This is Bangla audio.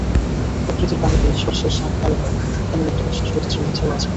প্রকৃতির পানিতে শস্যের স্বাদ ভালো হয়—এমন একটা বিশ্বাস অরিত্রের মধ্যেও আছে।